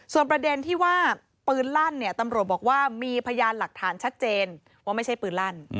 ส่วนประเด็นที่ว่าปืนลั่นเนี่ยตำรวจบอกว่ามีพยานหลักฐานชัดเจนว่าไม่ใช่ปืนลั่น